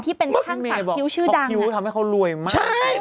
พี่เมย์บอกเขาคิวทำให้เขารวยมาก